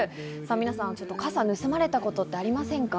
皆さん、傘盗まれたことありませんか？